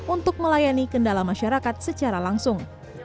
untuk melayani kendala masyarakat secara langsung